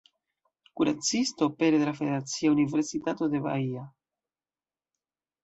Kuracisto pere de la Federacia Universitato de Bahia.